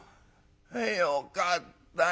よかったよ。